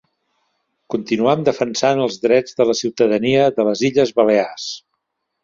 Continuam defensant els Drets de la ciutadania de les Illes Balears.